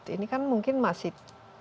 ini kan mungkin masih